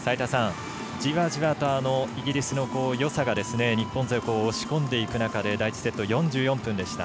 じわじわとイギリスのよさが日本勢を押し込んでいく中で第１セット４４分でした。